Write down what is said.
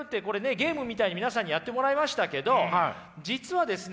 ゲームみたいに皆さんにやってもらいましたけど実はですね